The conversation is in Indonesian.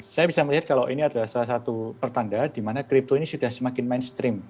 saya bisa melihat kalau ini adalah salah satu pertanda di mana crypto ini sudah semakin mainstream